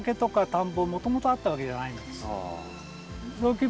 雑木林ももともとあったわけじゃないんです。